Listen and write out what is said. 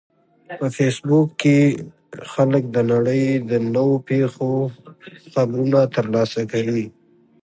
په فېسبوک کې خلک د نړۍ د نوو پیښو خبرونه ترلاسه کوي